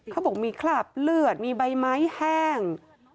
เขาบอกมีคราบเลือดมีใบไม้แห้ง